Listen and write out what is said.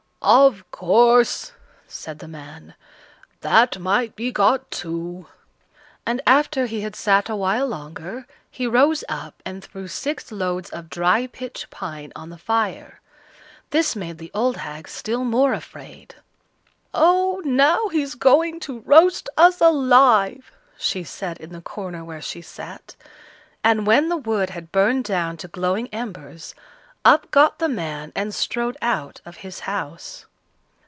"Of course," said the man, "that might be got too." And after he had sat a while longer, he rose up and threw six loads of dry pitch pine on the fire. This made the old hag still more afraid. "Oh! now he's going to roast us alive," she said, in the corner where she sat. And when the wood had burned down to glowing embers, up got the man and strode out of his house.